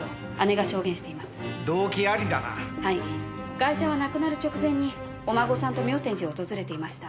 ガイシャは亡くなる直前にお孫さんと妙典寺を訪れていました。